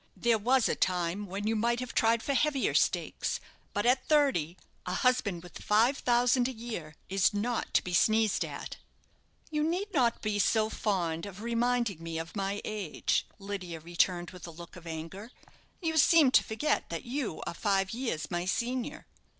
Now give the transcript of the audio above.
There was a time when you might have tried for heavier stakes; but at thirty, a husband with five thousand a year is not to be sneezed at." "You need not be so fond of reminding me of my age," Lydia returned with a look of anger. "You seem to forget that you are five years my senior."